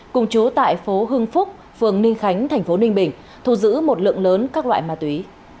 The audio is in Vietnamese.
cùng chú tại phố hưng phúc phường ninh khánh thành phố ninh bình thu giữ một lượng lớn các loại ma túy